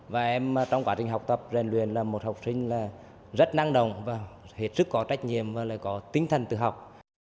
và em trong quá trình học tập truyền luyện là một học sinh rất năng động hiệt sức có trách nhiệm và có tính thần tự học